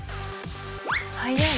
早い。